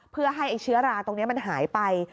เพื่อให้เชื้อราตรงนี้มันหายไป